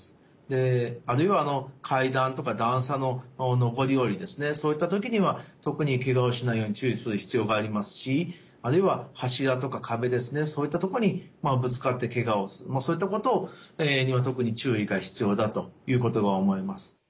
であるいは階段とか段差の上り下りですねそういった時には特にけがをしないように注意する必要がありますしあるいは柱とか壁ですねそういったとこにぶつかってけがをするそういったことには特に注意が必要だということは思います。